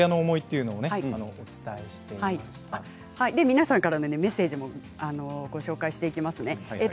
皆さんからのメッセージをご紹介します。